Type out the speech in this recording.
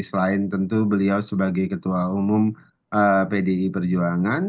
selain tentu beliau sebagai ketua umum pdi perjuangan